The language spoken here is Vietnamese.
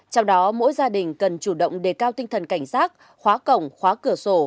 trong đó mỗi gia đình cần chủ động đề cao tinh thần cảnh sát khóa cổng khóa cửa sổ